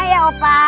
siap ya opa